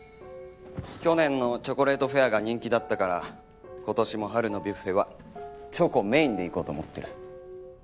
去年のチョコレートフェアが人気だったから今年も春のビュッフェはチョコメインでいこうと思ってる。